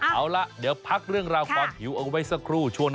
เอาละเดี๋ยวพักเรื่องเราความหิวเอาไว้สักครู่